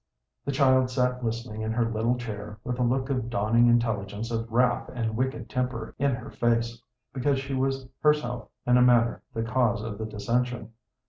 The child sat listening in her little chair with a look of dawning intelligence of wrath and wicked temper in her face, because she was herself in a manner the cause of the dissension.